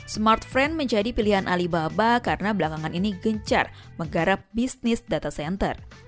smartfriend menjadi pilihan alibaba karena belakangan ini gencar menggarap bisnis data center